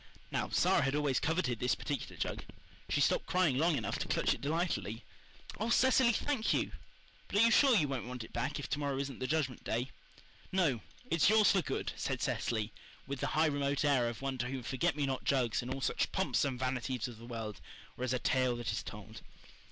Now, Sara had always coveted this particular jug. She stopped crying long enough to clutch it delightedly. "Oh, Cecily, thank you. But are you sure you won't want it back if to morrow isn't the Judgment Day?" "No, it's yours for good," said Cecily, with the high, remote air of one to whom forget me not jugs and all such pomps and vanities of the world were as a tale that is told.